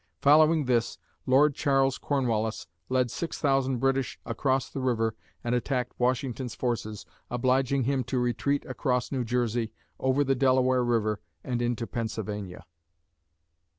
Following this, Lord Charles Cornwallis led six thousand British across the river and attacked Washington's forces, obliging him to retreat across New Jersey, over the Delaware River and into Pennsylvania.